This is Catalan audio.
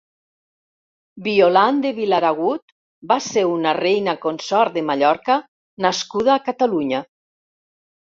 Violant de Vilaragut va ser una reina consort de Mallorca nascuda a Catalunya.